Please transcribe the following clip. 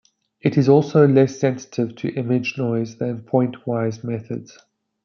It is also less sensitive to image noise than point-wise methods.